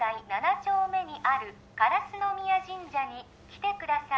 丁目にある烏ノ宮神社に来てください